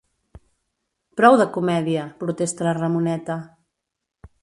Prou de comèdia! –protesta la Ramoneta–.